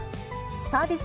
サービス